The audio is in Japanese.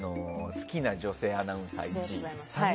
好きな女性アナウンサー１位。